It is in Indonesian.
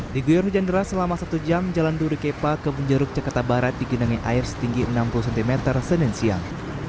di guyur hujan deras selama satu jam jalan duri kepa ke benjeruk jakarta barat digenangi air setinggi enam puluh cm senin siang